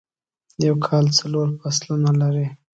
یوکال څلور فصلونه لری